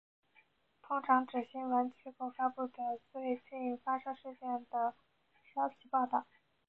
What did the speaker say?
通常指新闻机构发布的最近发生事件的消息报道。